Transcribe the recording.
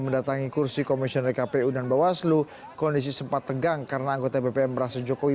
mendatangi kursi komisioner kpu dan bawaslu kondisi sempat tegang karena anggota bpm merasa jokowi